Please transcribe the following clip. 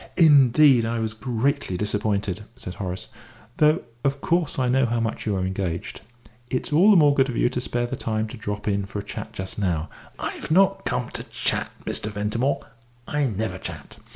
"Indeed, I was greatly disappointed," said Horace, "though of course I know how much you are engaged. It's all the more good of you to spare time to drop in for a chat just now." "I've not come to chat, Mr. Ventimore. I never chat.